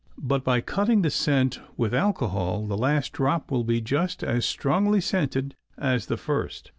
But by cutting the scent with alcohol, the last drop will be just as strongly scented as the first.